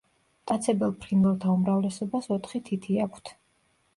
მტაცებელ ფრინველთა უმრავლესობას ოთხი თითი აქვთ.